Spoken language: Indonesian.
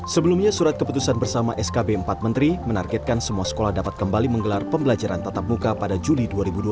sebelumnya surat keputusan bersama skb empat menteri menargetkan semua sekolah dapat kembali menggelar pembelajaran tatap muka pada juli dua ribu dua puluh